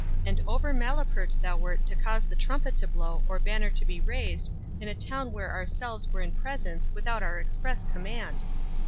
and over malapert thou wert to cause trumpet to blow, or banner to be raised, in a town where ourselves were in presence, without our express command."